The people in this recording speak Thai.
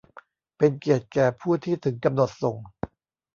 เป็นเกียรติแก่ผู้ที่ถึงกำหนดส่ง !